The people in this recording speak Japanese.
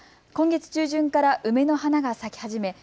今月中旬から梅の花が咲き始め